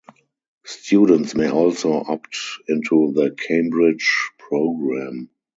Students may also opt into the Cambridge Program.